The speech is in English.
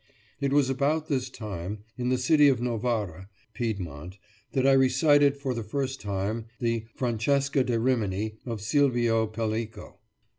It was about this time, in the city of Novara (Piedmont) that I recited for the first time the "Francesca da Rimini" of Silvio Pellico.